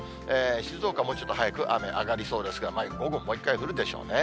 静岡、もうちょっと早く雨上がりそうですが、午後、もう１回降るでしょうね。